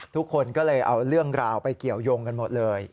ทุกคนก็เลยเอาเรื่องราวไปเกี่ยวยงกันหมดเลย